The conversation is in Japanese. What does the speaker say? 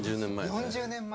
４０年前！